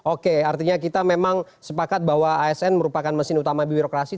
oke artinya kita memang sepakat bahwa asn merupakan mesin utama birokrasi